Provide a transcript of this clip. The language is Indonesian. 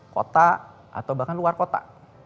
kota atau bahkan luar kota